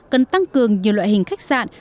cần tăng cường nhiều loại hình khách sạn